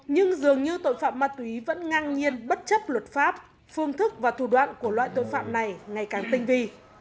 nhưng dường như tội phạm ma túy vẫn ngang nhiên bất chấp luật pháp phương thức và thủ đoạn của loại tội phạm này ngày càng tinh vi